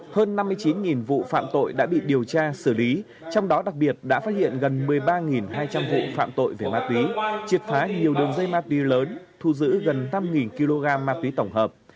hơn năm mươi chín vụ phạm tội đã bị điều tra xử lý trong đó đặc biệt đã phát hiện gần một mươi ba hai trăm linh vụ phạm tội về ma túy triệt phá nhiều đường dây ma túy lớn thu giữ gần năm kg ma túy tổng hợp